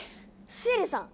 シエリさん！